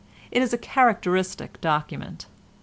It is a characteristic document.